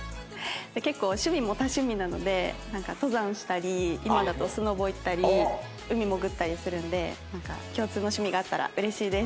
結構趣味も多趣味なので登山したり今だとスノボ行ったり海潜ったりするので共通の趣味があったら嬉しいです。